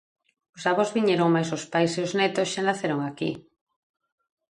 Os avós viñeron mais os pais e os netos xa naceron aquí.